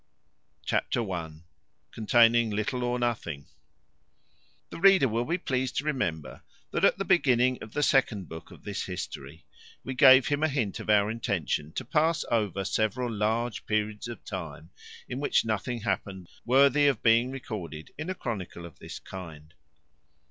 Chapter i. Containing little or nothing. The reader will be pleased to remember, that, at the beginning of the second book of this history, we gave him a hint of our intention to pass over several large periods of time, in which nothing happened worthy of being recorded in a chronicle of this kind.